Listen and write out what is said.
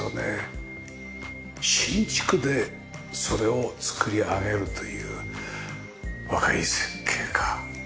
新築でそれを作り上げるという若い設計家。